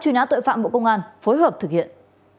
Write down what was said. truy nã tội phạm bộ công an phối hợp thực hiện